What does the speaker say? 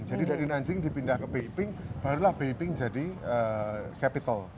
jadi dari nanjing dipindah ke beiping barulah beiping jadi capital